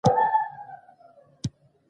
د افغانستان خاوره له کندز سیند څخه ډکه ده.